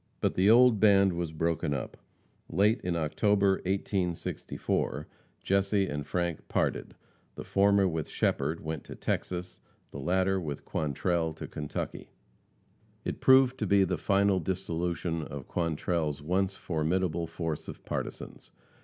But the old band was broken up. Late in October, 1864, Jesse and Frank parted, the former with Shepherd went to Texas, the latter with Quantrell to Kentucky. It proved to be the final dissolution of Quantrell's once formidable force of partisans.